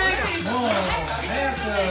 もう早く。